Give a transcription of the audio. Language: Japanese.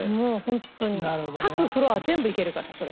各フロア全部いけるからそれ。